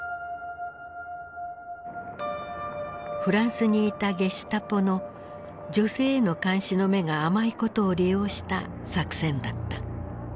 フランスにいたゲシュタポの女性への監視の目が甘いことを利用した作戦だった。